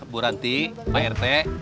bu ranti pak rt